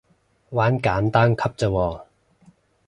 玩簡單級咋喎